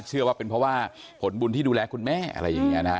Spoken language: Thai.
เชื่อว่าเป็นเพราะว่าผลบุญที่ดูแลคุณแม่อะไรอย่างนี้นะฮะ